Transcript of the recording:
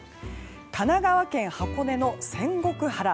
神奈川県箱根の仙石原。